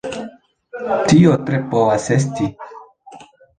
Tio tre povas esti.